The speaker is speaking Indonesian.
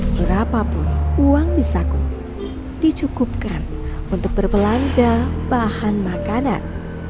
berapapun uang disaku dicukupkan untuk berbelanja bahan makanan